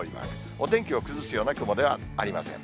お天気を崩すような雲ではありません。